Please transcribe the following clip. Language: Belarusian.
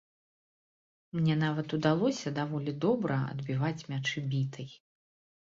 Мне нават удалося даволі добра адбіваць мячы бітай.